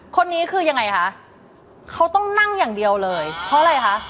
คนนี้คือยังไงคะเขาต้องนั่งอย่างเดียวเลยเพราะอะไรคะ